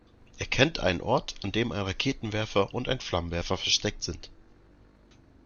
Er kennt einen Ort, an dem ein Raketenwerfer und ein Flammenwerfer versteckt sind.